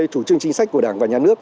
chủ trương chính sách của đảng và nhà nước